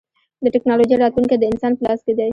د ټکنالوجۍ راتلونکی د انسان په لاس دی.